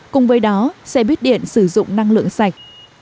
cùng với đó xe buýt điện sử dụng năng lượng sạch